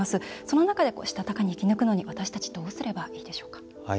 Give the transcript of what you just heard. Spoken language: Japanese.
その中でしたたかに生き抜くのに私たちどうすればいいでしょうか。